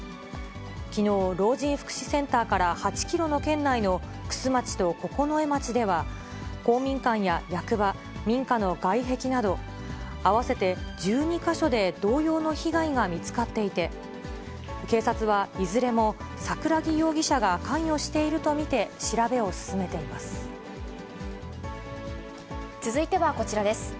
きのう、老人福祉センターから８キロの圏内の玖珠町と九重町では、公民館や役場、民家の外壁など、合わせて１２か所で同様の被害が見つかっていて、警察はいずれも桜木容疑者が関与していると見て調べを進めていま続いてはこちらです。